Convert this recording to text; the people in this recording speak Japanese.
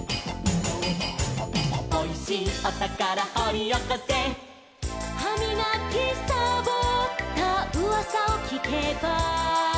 「おいしいおたからほりおこせ」「はみがきさぼったうわさをきけば」